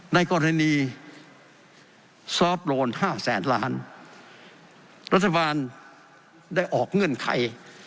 ในกรณีซอฟต์โลนห้าแสนล้านรัฐบาลได้ออกเงื่อนไข